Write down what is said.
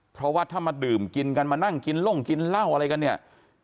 เพราะว่าถ้ามาดื่มกินกันมานั่งกินล่งกินเหล้าอะไรกันเนี่ย